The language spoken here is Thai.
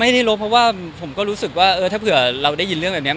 ไม่ได้ลบเพราะว่าผมก็รู้สึกว่าเออถ้าเผื่อเราได้ยินเรื่องแบบนี้